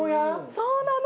そうなの！